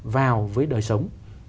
vào với đời sống